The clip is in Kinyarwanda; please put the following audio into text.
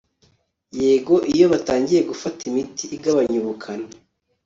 yego, iyo batangiye gufata imiti igabanya ubukana